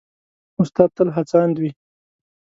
استاد تل هڅاند وي.